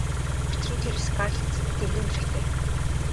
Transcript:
Учир нь тэр Скарлеттад дэндүү хэрэгтэй.